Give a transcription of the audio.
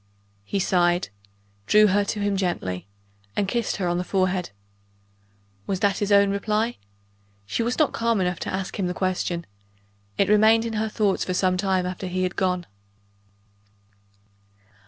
He sighed drew her to him gently and kissed her on the forehead. Was that his own reply? She was not calm enough to ask him the question: it remained in her thoughts for some time after he had gone.